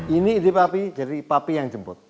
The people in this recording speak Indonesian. ini ini pak pi jadi pak pi yang jemput